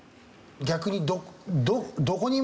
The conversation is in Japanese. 逆に。